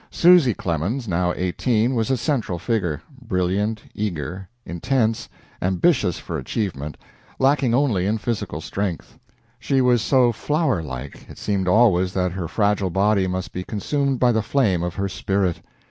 Susy Clemens, now eighteen, was a central figure, brilliant, eager, intense, ambitious for achievement lacking only in physical strength. She was so flower like, it seemed always that her fragile body must be consumed by the flame of her spirit.